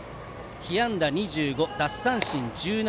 被安打２５、奪三振１７